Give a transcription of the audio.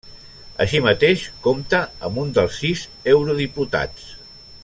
Així mateix compta amb un dels sis eurodiputats.